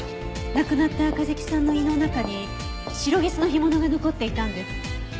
亡くなった梶木さんの胃の中にシロギスの干物が残っていたんです。